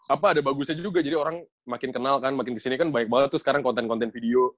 apa ada bagusnya juga jadi orang makin kenal kan makin kesini kan banyak banget tuh sekarang konten konten video